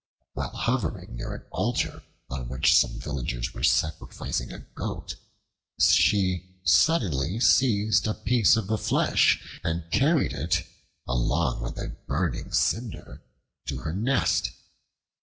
While hovering near an altar, on which some villagers were sacrificing a goat, she suddenly seized a piece of the flesh, and carried it, along with a burning cinder, to her nest.